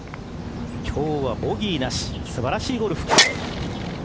今日はボギーなし素晴らしいゴルフ。